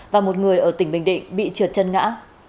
và một người ở tỉnh bình định bị trượt chân ngã